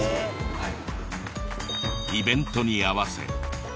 はい。